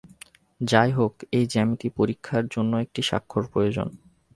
যাইহোক, এই জ্যামিতি পরীক্ষার জন্য একটি স্বাক্ষর প্রয়োজন।